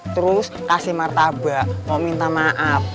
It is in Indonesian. terus kasih martabak mau minta maaf